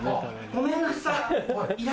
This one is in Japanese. ごめんなさい。